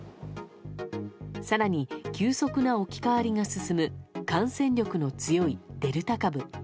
更に急速な置き換わりが進む感染力の強いデルタ株。